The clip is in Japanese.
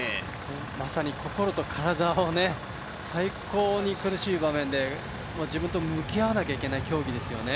まさに心と体が最高に苦しい場面で自分と向き合わなきゃいけない競技ですよね。